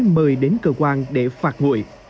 mời đến cơ quan để phạt mội